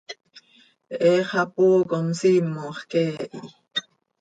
He xapoo com simox quee hi.